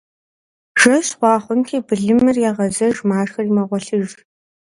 Жэщ хъуа хъунти, былымыр егъэзэгъэж, машхэри мэгъуэлъыж.